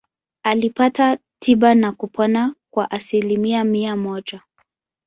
Alipata tiba na kupona kwa asilimia mia moja.